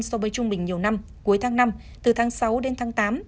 so với trung bình nhiều năm cuối tháng năm từ tháng sáu đến tháng tám